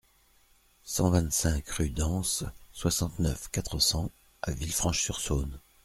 cent vingt-cinq rue d'Anse, soixante-neuf, quatre cents à Villefranche-sur-Saône